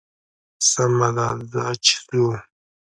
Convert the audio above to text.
سمه ده ځه چې ځو.